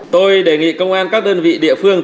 tôi đề nghị công an các đơn vị địa phương